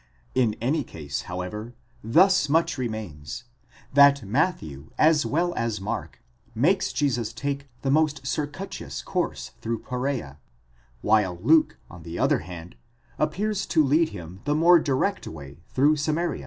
In any case,: however, thus much remains: that Matthew, as well as Mark, makes Jesus take the most circuitous course through Perza, while Luke, on the other: hand, appears to lead him the more direct way through Samaria.